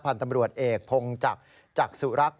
พันธุ์ตำรวจเอกพงศ์จากสุรรักษณ์